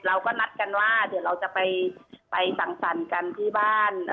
เราก็นัดกันว่าเดี๋ยวเราจะไปสั่งสรรค์กันที่บ้าน